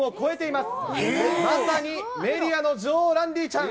まさにメディアの女王、ランディちゃん。